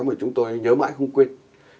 mà chúng tôi nhớ mãi không quên